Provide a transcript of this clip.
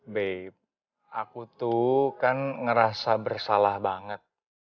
bey aku tuh kan ngerasa bersalah banget